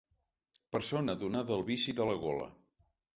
Persona donada al vici de la gola.